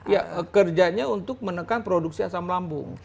ya kerjanya untuk menekan produksi asam lambung